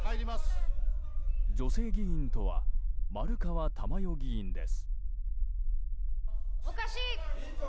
女性議員とは丸川珠代議員です。